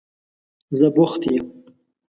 زه بوخت یم.